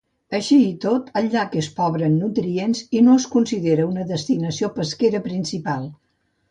Així i tot, el llac és pobre en nutrients i no es considera una destinació pesquera principal.